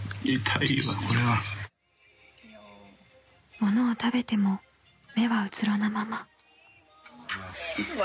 ［ものを食べても目はうつろなまま］